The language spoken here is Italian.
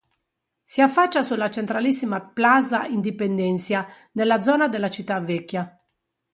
Si affaccia sulla centralissima plaza Independencia, nella zona della città vecchia.